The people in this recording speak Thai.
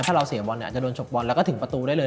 ถ้าเราเสียบอลเนี่ยอาจจะโดนฉกบอลแล้วก็ถึงประตูได้เลย